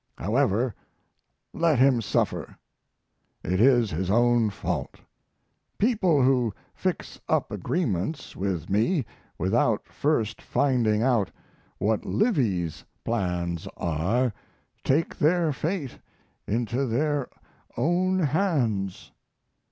However, let him suffer; it is his own fault. People who fix up agreements with me without first finding out what Livy's plans are take their fate into their own hands.